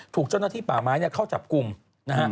ถูกเจ้าหน้าที่ป่าไม้เข้าจับกลุ่มนะฮะ